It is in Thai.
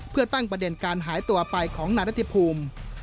เพื่อตั้งประเด็นการหายตัวไปของนายรัติภูมิ